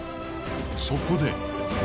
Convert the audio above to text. そこで。